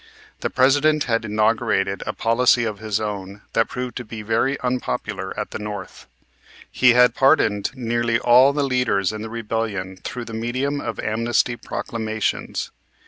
The President had inaugurated a policy of his own that proved to be very unpopular at the North. He had pardoned nearly all the leaders in the rebellion through the medium of amnesty proclamations.